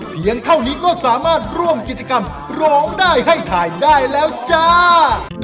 เพียงเท่านี้ก็สามารถร่วมกิจกรรมร้องได้ให้ถ่ายได้แล้วจ้า